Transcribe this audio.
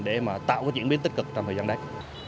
để mà tạo cái diễn biến tích cực trong thời gian đấy